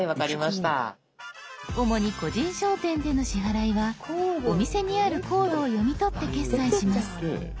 主に個人商店での支払いはお店にあるコードを読み取って決済します。